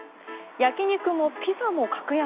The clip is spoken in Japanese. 焼き肉もピザも格安。